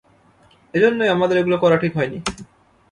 এইজন্যই আমাদের এগুলো করা ঠিক হয়নি।